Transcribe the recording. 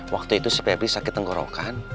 waktu itu si pebis sakit tenggorokan